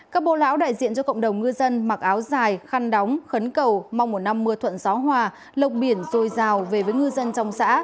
các bô lão đại diện cho cộng đồng ngư dân mặc áo dài khăn đóng khấn cầu mong một năm mưa thuận gió hòa lộc biển dồi dào về với ngư dân trong xã